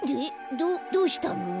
どどうしたの？